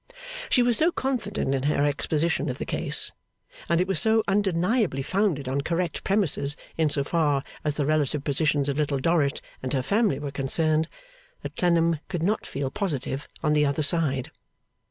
She was so confident in her exposition of the case, and it was so undeniably founded on correct premises in so far as the relative positions of Little Dorrit and her family were concerned, that Clennam could not feel positive on the other side.